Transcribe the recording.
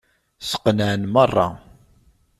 Sqenɛen meṛṛa.